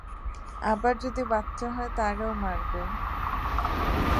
আবার যদি বাচ্চা হয় তারেও মারবে।